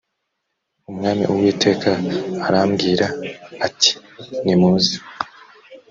umwami uwiteka arabwira ati nimuze.